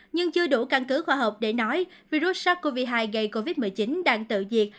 nhưng chưa đủ căn cứ khoa học để nói virus sars cov hai gây covid một mươi chín đang tự diệt